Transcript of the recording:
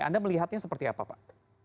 anda melihatnya seperti apa pak